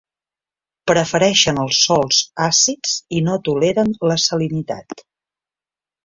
Prefereixen els sòls àcids i no toleren la salinitat.